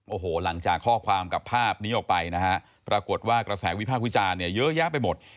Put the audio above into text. โอ้โหหลังจากข้อความกับภาพนี้ออกไปนะฮะปรากฏว่ากระแสวิพากษ์วิจารณ์เนี่ยเยอะแยะไปหมด